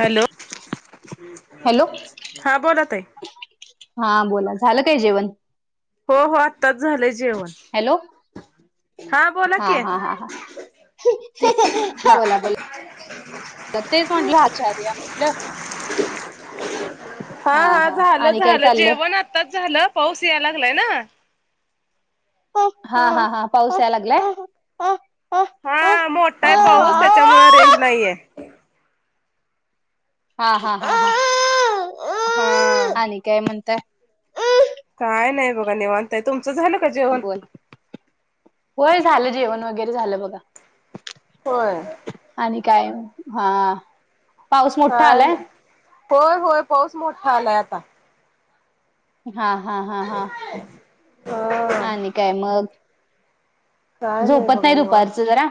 Hello! Hello हा बोला ताई. हा, बोला झालं काय जेवण? हो हो, आत्ताच झालंय जेवण. हॅलो! बोला हा की हा हा हा. हा बोला बोला, तेच म्हटलं विचारूया म्हटलं. हा हा, झालं आणि काय झालं चाललंय? जेवण आत्ताच झालं, पाऊस यायला लागलाय ना. हा हा हा, पाऊस याय लागलाय. हा मोठा हा आहे, पाऊस त्याच्या मुळे रेंज नाहीये. हा हा हा. हा. आणि काय म्हणताय? काय नाही बघा, निवांतय तुमचं झालं? का जेवण बोल होय, झालं जेवण वगैरे झालं बघा. होय. आणि काय? हा. पाऊस मोठा काय आलाय नाही, होय होय पाऊस मोठा आलाय आता. हा हा हा. हा हा. आणि काय मग काय झोपत बघा नाही, निवांत दुपारचं जरा?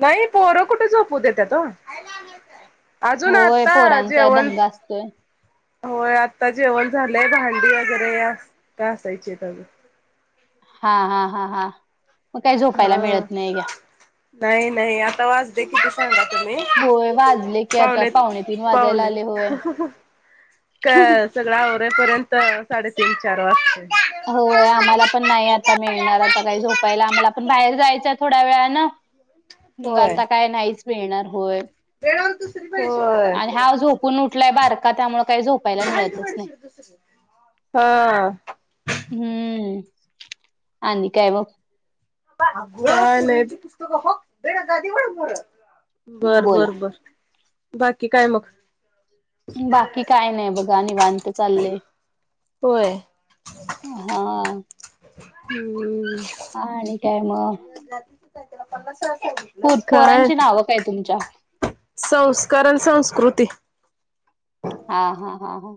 नाही पोरं कुठे झोपू देत्यात ओ. अजून होय आत्ता पोरांचा जेवण दंगा असतोय होय, आत्ता जेवण झालंय, भांडी वगैरे असं घासायचेत अजुन. हा हा हा हा, मग काही झोपायला हा मिळत नाही घ्या. नाही नाही, आता वाजले किती सांगा तुम्ही होय वाजले की आता पाऊणे पावणे तीन वाजायला पावणे आले होय. [unintelligible] सगळ आवरे पर्यंत साडेतीन चार वाजतील. होय, आम्हाला पण नाही आता मिळणार आता काही झोपायला आम्हाला पण बाहेर जायचंय थोड्या वेळान. मग होय आता काय नाहीच मिळणार होय, होय. आणि हा झो पून उठलाय बारका त्यामुळे काही झोप [unintelligible] हा. हम्म, आणि काय मग? [unintelligible] काय नाही [unintelligible] बरं बोला. बरं बरं बाकी काय मग? बाकी काय नाही बघा निवांत चाललंय. होय! हा. हम्म! आणि काय मग? त्याला पन्नास काय पोरांची नावं काय तुमच्या? संस्कार आणि संस्कृती! हा हा हा हा!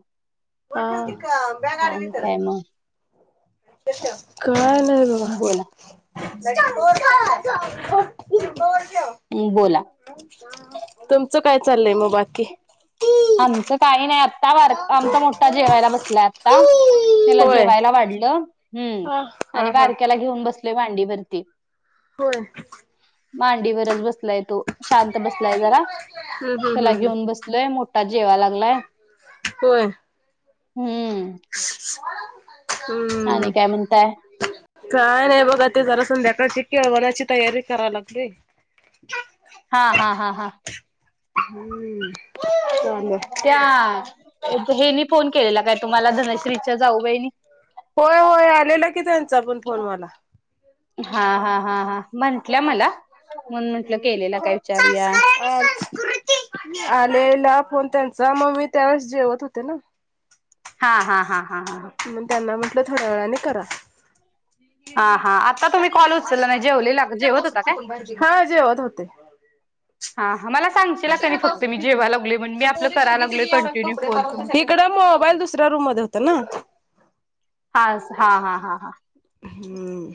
आ आणि काय मग काय नाय बोला बघा. हम् बोला! तुमचं काय चाललंय मग बाकी? आमचं काही नाही आ ता आमचा मोठा जेवायला बसला आत्ता त्याला होय जेवायला वाढलं. हम्म, हा आणि हा हा बारक्याला घेऊन बसले मांडीवरती. होय! मांडीवरच बसलाय तो शांत बसलाय जरा हम्म हम्म त्याला हम्म घेऊन बसलोय मो आताच जेवाय लागलाय होय हम्म. हम्म! आणि काय म्हणताय काय नाही बघा ते जरा संध्याकाळची केळवण्याची तयारी करायला लागलोय. हा हा हा हा! हम्म! चालेल त्या हेनी फोन केलेला काय तुम्हाला धनश्रीच्या जाऊ बाईंनी? होय होय आलेला की त्यांचा पण फोन मला. हा हा हा हा! म्हंटल्या मला म्हणून म्हंटलं केलेला काय विचारूया. संस्कार आलेला फोन त्यांचा मग मी त्यावेळेस जेवत होते ना. हा हा हा हा हां! मग त्यांना म्हटलं थोड्या वेळाने करा. [inaudible] हा हा, आता तुम्ही कॉल उचलला नाही जेवलेला जेवत होता काय? हा जेवत होते हा मला सांगशीला का फक्त मी जेवाय लागलोया म्हण मी आपलं कराय लागलों कन इकड मबाईल दुसऱ्या रूम मध्ये होत ना. हा हा हा हा हा! हम्म!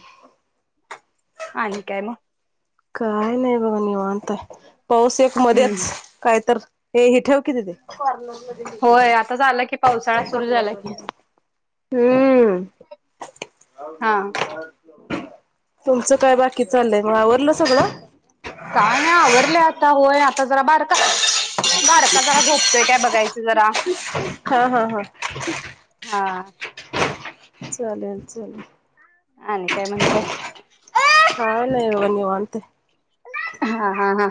आणि काय मग? काय नाही बघा निवांत आहे पाऊस एक हम्म मध्येच काय तर ए हे ठेऊ कि दीदे. होय आता झाला की पावसाळा सुरू झाला की हम्म! हा तुमचं काय बाकी चाललंय मग आवरलं सगळं? काय नाही आवरलंय आता होय आता जरा बारका बारका जरा झोपतोय काय बघायचं. जरा हा हा हा हा चालेल चालेल. आणि काय म्हणताय? काय नाही बघा निवांत. आहे. हा हा हा!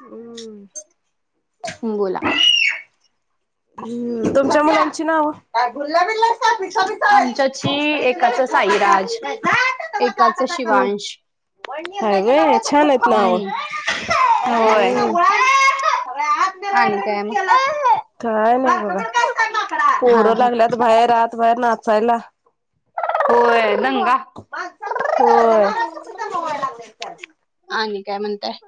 हम्म! बोला! तुमच्या मुलांची नाव? का पिसा बिसा आमच्याची एकाच साईराज एकाच शिवांश हाय होय छान आहेत नाव हम्म होय हम् अरे आ मला आणि आड काय मग मिशला [unintelligible] काय नाही बघा हा पोरं हा लागल्यात बाहेर आात बाहेर नाचायला होय दंगा होय आणि काय म्हणताय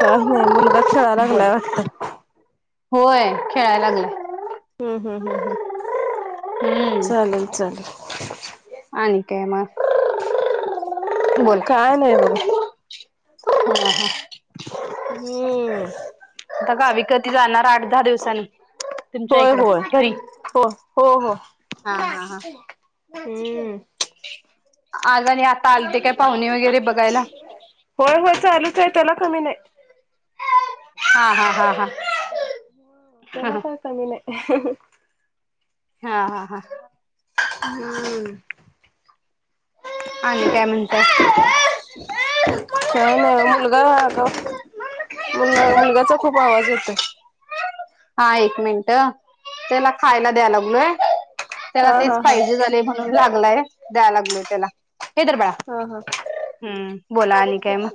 काही नाही मुलगा खेळायला बोल. लागलाय वाटतं होय खेळायला लागलं हम हम हम हं हम्म चालेल चालेल आणि काय मग बोला काय नाही बघा ह ह [unintelligible] हम्म आता गावी कधी जाणार आठ दहा दिवसांनी तुमच्या होय इकडं होय घरी. हो हो हो हा हा हा. हम्म [inaudible] आज आणि आता आलते काय पाहुणे वगैरे बघायला. होय होय चालूच आहे त्याला कमी नाही ह [unintelligible] [inaudible] त्याला हा. काय कमी नाही हा हा हा हम्म आणि काय म्हणताय का नाही मुलगा मुल मुलग्याचा खूप आवाज येतो हा एक मिनट त्याला खायला द्यायला लागलोय त्याला हा तेच हा पाहिजे झाले लागलाय द्याय लागलय त्याला हे धर बाळा हा हा हा हम्म बोला आणि काय मग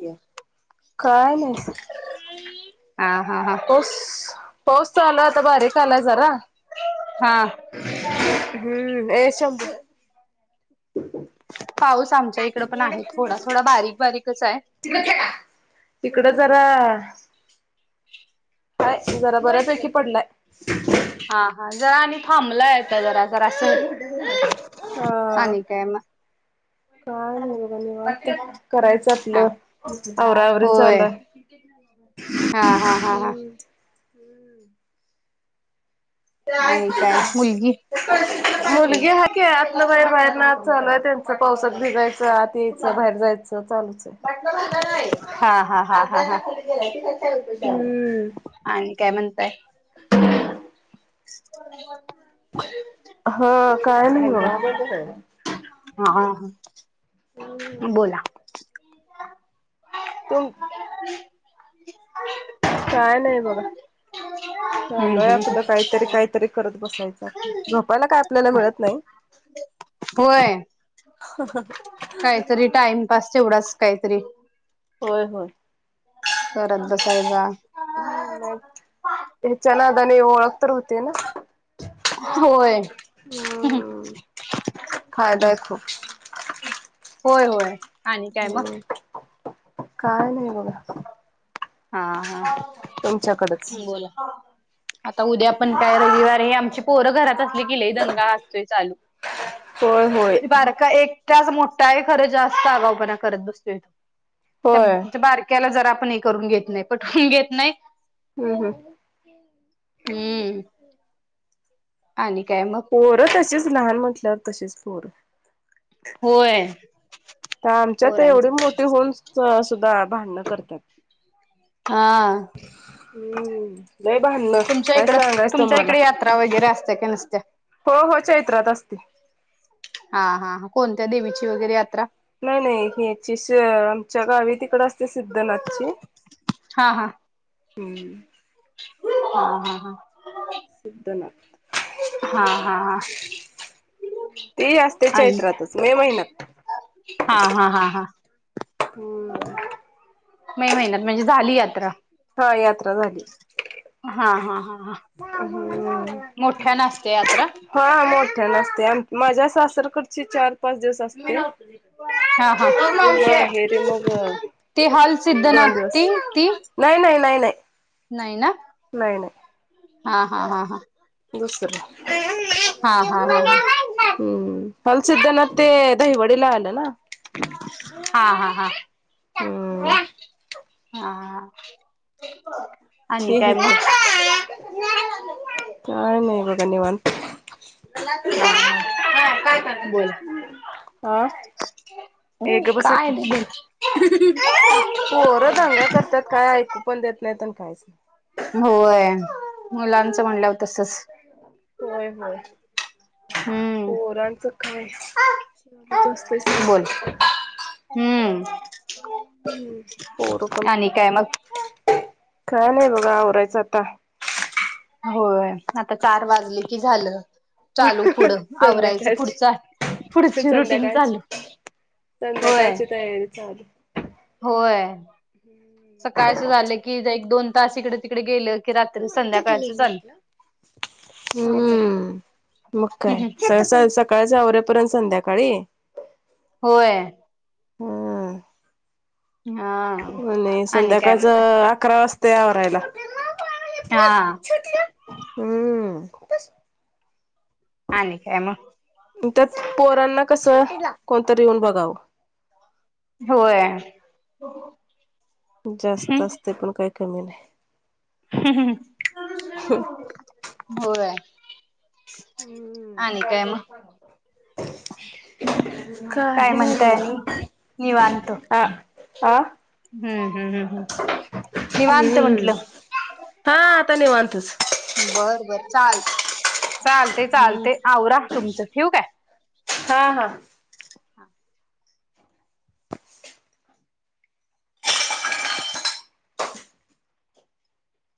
काय नाही हा हा हा असस पाऊस चालू आहे आता बारीक आलाय जरा हा हम्म ए शंब पाऊस आमच्या इकड पण आहे थोडा थोडा बारीक बारीकच आहे इकड जरा [inaudible] हाय जरा बऱ्यापैकी पडलाय हा हा जरा आणि थांबलाय आता जरा जरासं हा आणि काय मग काय नाही बघा निवांत करायचं हा आपलं अवरावर होय. चालय म [unintelligible] [inaudible] हा हा हा हा ते आणि ऐक काय का [unintelligible] [inaudible] मुलगी हाय की आतन बाहेर बाहेर ना चालूय त्यांच पावसात भिजायचं आत यायचं बाहेर जायचं चालू् हा हा हा हा हा [unintelligible] आणि काय म्हणताय [inaudible] हा काय नाही बगा हा हा, बोला. तुम [inaudible] काय नाही बघा. हम्म चालूय हम्म आपलं काहीतरी काहीतरी करत बसायचं. झोपायला काय आपल्याला मिळत नाही. होय काहीतरी टाइमपास तेवढाच काहीतरी. होय होय. करत बसायचा. हम्म, न्हाय तेच्या नादाने ओळख तर होते ना. होय. हम्म. फायदा आहे खूप होय होय. आणि काय मग हं. काय नाही बघा. आ हा तुमच्याकडच. बोला. आता उद्या पण काय रविवार हाय, आमची पोरं घरात असले की लय दंगा असतोय चालू. होय होय. आणि ते बारका एक त्याच मोठा आहे, खरं जास्त आगावपणा करत बसतोय तो. होय त्या बारक्याला जरा आपण एक करून घेत नाही, पटवून घेत नाही. हम्म हम्म. हम्म. आणि काय मग? पोर तशीच लहान म्हटल्यावर तशीच पोर. होय. तर आमच्यात एवढी पोरांचं मोठी तसंच होऊनसुद्धा भांडणं करतात. हां. [unintelligible] लय भांडण, तुमच्या काय इकडं सांगायच तुमच्या तुम्हाला. इकडे यात्रा वगैरे असत्या का नसत्या हो हो चैत्रात असती. हा हा हा, कोणत्या देवीची वगैरे यात्रा? नाही नाही [unintelligible] आमच्या गावी तिकड असते सिद्धनाथची. हा हम्. हा हा हा. सिद्धनाथ. हा हा हा. ती असते आणि चैत्रातच, मे महिन्यात. हा हा हा हा. हम्म. मे महिन्यात म्हणजे झाली यात्रा. हा यात्रा झाली हा हा हा हा. मोठ्यान असते यात्रा हा मो ठ्यानं असत्या, माझ्या सासरकडची चार पाच दिवस असत्या. हा हा, दोन ते हल सिद्धनाथ ती ती? न्हाय न्हाय न्हाय न्हाय. नाही ना. नाही नाही. हा हा हा हा. दुसरं. [inaudible] हा हा हा हम्म, हल सिद्धनाथ ते दहीवडला आल ना. हा हा हा. हम्म हा हा हा. हे इथं, काय नाही मग निवांत. हा हा आ. ह एक ग बसकीी पोरं दंगा करतात काय ऐकू पण देत नाही पण काहीच नाही होय मुलांचं म्हणलं हो तसच होय होय हम्म पोरांचं कायच असतय स बोल हम्म पोर पण आणि काय मग काय नाही बघा आवरायचं आता होय आता चार वाजले की झालं चालू पुढं आवरायचं संध्याकाळची पुढचं पुढची रुटीन संध्याकाळची चालू होय संध्याकाळची तयारी चालू होय हम् सकाळचं झालं की एक दोन तास इकडे तिकडे गेलं की म् संध्याकाळचं चालू मग काय सकाळच्या आवऱ्यापर्यंत संध्याकाळी होय हम्म हा आणि काय संध्याकाळच म्हणताय अकरा वाजता आवरायला हा हम्म हा नि कााय म त्यात पोरांना कसं कोणतरी येऊन बघावं होय जास्त असते पण काही कमी नाही होय हम्म आणि काय मग? काय काही म्हणताय आणि नाही निवांत. ह ह हम्म हम् हम् हम् हम्म हा आतानीव अतस बरं बर चाल चालते चालते आवरा तुमचं ठीक आहे हा हा हा